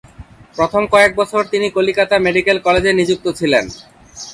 প্রথম কয়েক বছর তিনি কলিকাতা মেডিক্যাল কলেজে নিযুক্ত ছিলেন।